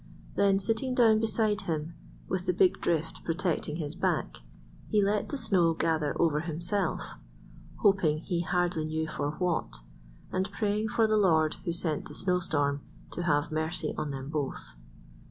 Then sitting down beside him, with the big drift protecting his back, he let the snow gather over himself, hoping he hardly knew for what, and praying for the Lord who sent the snow storm to have mercy on them both.